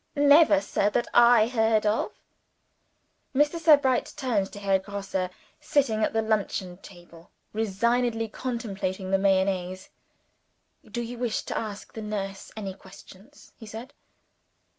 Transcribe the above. "Never, sir, that I heard of." Mr. Sebright turned to Herr Grosse, sitting at the luncheon table resignedly contemplating the Mayonnaise. "Do you wish to ask the nurse any questions?" he said.